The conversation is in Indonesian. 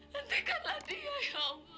hentikanlah dia ya allah